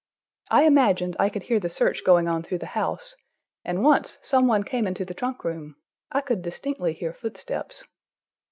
I imagined I could hear the search going on through the house, and once some one came into the trunk room; I could distinctly hear footsteps.